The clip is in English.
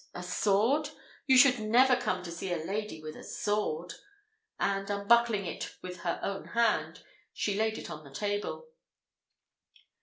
a sword! You should never come to see a lady with a sword;" and unbuckling it with her own hand, she laid it on the table.